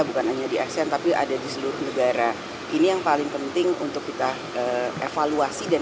bukan hanya di asean tapi ada di seluruh negara ini yang paling penting untuk kita evaluasi dan